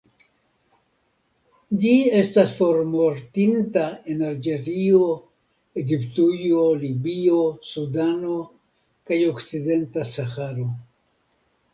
Ĝi estas formortinta en Alĝerio, Egiptujo, Libio, Sudano kaj okcidenta Saharo.